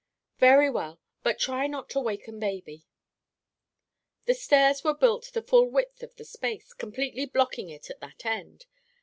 "Very well; but try not to waken baby." The stairs were built the full width of the space, completely blocking it at that end.